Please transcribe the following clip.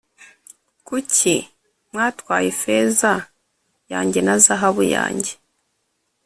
kucyi mwatwaye feza yanjye na zahabu yanjye,